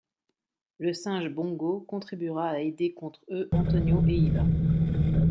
Le singe Bongo contribuera à aider contre eux Antonio et Iva.